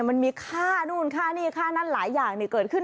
มันมีค่านู่นค่านี่ค่านั่นหลายอย่างเกิดขึ้น